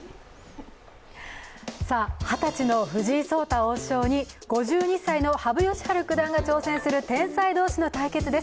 二十歳の藤井聡太王将に５２歳の羽生善治九段が挑戦する天才同士の対決です。